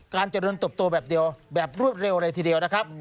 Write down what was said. การเจริญตบตัวแบบเดียวแบบรวดเร็วเลยทีเดียวนะครับ